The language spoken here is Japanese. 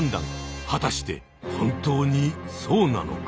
はたして本当にそうなのか。